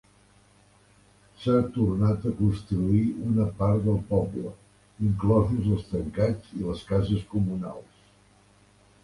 S'ha tornat a construir una part del poble, inclosos els tancats i les cases comunals.